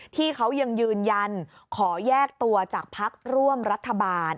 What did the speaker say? ที่เขายังยืนยันขอแยกตัวจากพักร่วมรัฐบาล